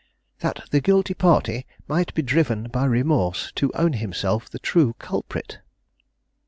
"That the guilty party might be driven by remorse to own himself the true culprit."